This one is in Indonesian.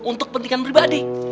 untuk kepentingan pribadi